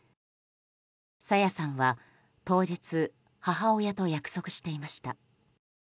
朝芽さんは当日母親と約束していました。